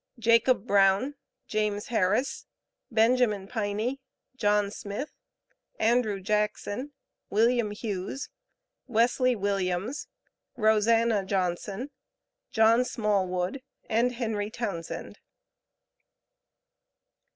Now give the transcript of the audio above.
JACOB BROWN, JAMES HARRIS, BENJAMIN PINEY, JOHN SMITH, ANDREW JACKSON, WILLIAM HUGHES, WESLEY WILLIAMS, ROSANNA JOHNSON, JOHN SMALLWOOD, AND HENRY TOWNSEND.